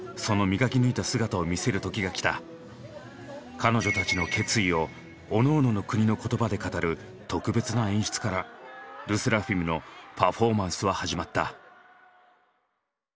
彼女たちの決意を各々の国の言葉で語る特別な演出からＬＥＳＳＥＲＡＦＩＭのパフォーマンスは始まった。